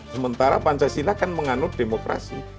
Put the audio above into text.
sementara pancasila kan menganut demokrasi